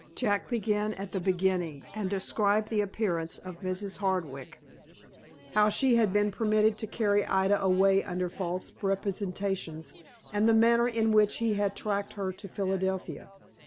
Jack began at the beginning, and described the appearance of Mrs. Hardwick; how she had been permitted to carry Ida away under false representations, and the manner in which he had tracked her to Philadelphia.